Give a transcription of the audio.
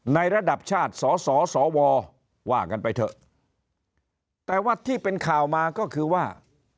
ระดับชาติสสวว่ากันไปเถอะแต่ว่าที่เป็นข่าวมาก็คือว่า